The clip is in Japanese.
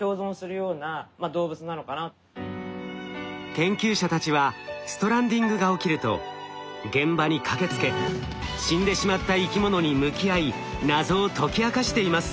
研究者たちはストランディングが起きると現場に駆けつけ死んでしまった生き物に向き合い謎を解き明かしています。